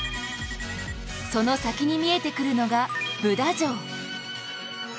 その先に見えてくるのが、ブダ城。